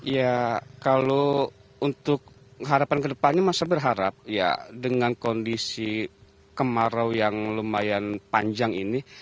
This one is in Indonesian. ya kalau untuk harapan kedepannya masa berharap ya dengan kondisi kemarau yang lumayan panjang ini